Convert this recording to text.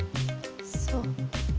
そう。